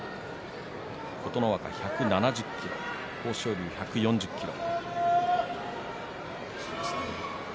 琴ノ若１７０ｋｇ豊昇龍１４０ｋｇ。